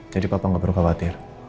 jadi bapak gak perlu khawatir